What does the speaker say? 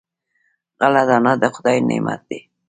غله دانه د خدای نعمت دی.